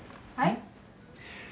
はい？